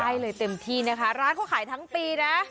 ได้เลยเต็มที่นะคะร้านเขาขายทั้งปีนะ